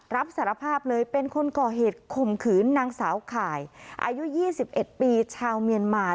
รับสารภาพเลยเป็นคนก่อเหตุข่มขืนนางสาวข่ายอายุ๒๑ปีชาวเมียนมา